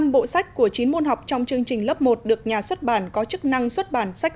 năm bộ sách của chín môn học trong chương trình lớp một được nhà xuất bản có chức năng xuất bản sách